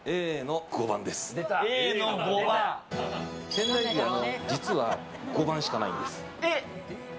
仙台牛は実は５番しかないんです。